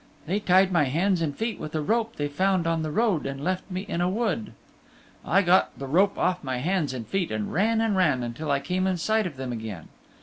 They tied my hands and feet with a rope they found on the road and left me in a wood. I got the rope off my hands and feet and ran and ran until I came in sight of them again.